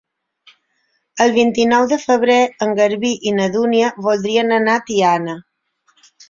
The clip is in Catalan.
El vint-i-nou de febrer en Garbí i na Dúnia voldrien anar a Tiana.